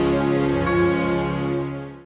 terima kasih pak